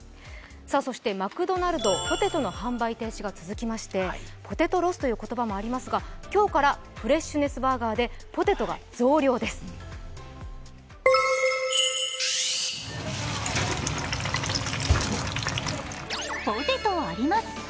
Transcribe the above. そしてマクドナルド、ポテトの販売停止が続きましてポテトロスという言葉もありますが、今日からフレッシュネスバーガーでポテトが増量です。